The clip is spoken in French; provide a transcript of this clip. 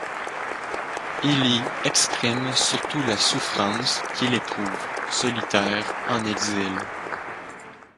Il y exprime surtout la souffrance qu'il éprouve, solitaire, en exil.